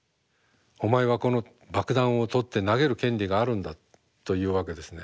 お前はこの爆弾を取って投げる権利があるんだというわけですね。